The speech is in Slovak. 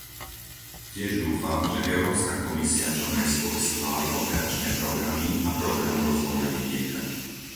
Tiež dúfam, že Európska komisia čo najskôr schváli operačné programy a program rozvoja vidieka.